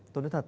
tôi nói thật